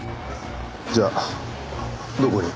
じゃあどこに？